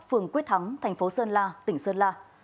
phường quyết thắng thành phố sơn la tỉnh sơn la